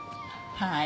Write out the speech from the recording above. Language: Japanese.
はい。